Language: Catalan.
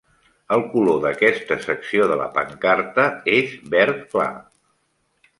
El color d'aquesta secció de la pancarta és verd clar.